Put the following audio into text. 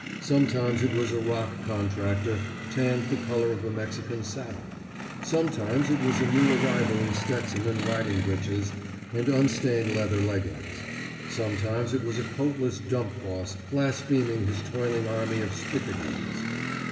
Sometimes it was a rock contractor tanned the color of a Mexican saddle. Sometimes it was a new arrival in Stetson and riding breeches and unstained leather leggings. Sometimes it was a coatless dump boss blaspheming his toiling army of spick a dees.